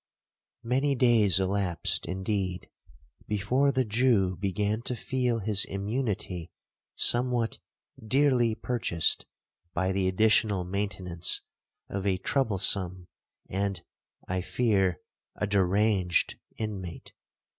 'Many days elapsed, indeed, before the Jew began to feel his immunity somewhat dearly purchased, by the additional maintenance of a troublesome, and, I fear, a deranged inmate.